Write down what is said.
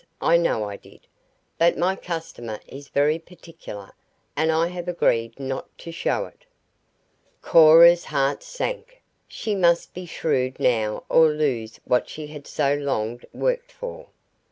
I know I did. But my customer is very particular, and I have agreed not to show it." "Cora's heart sank. She must be shrewd now or lose what she had so long worked for.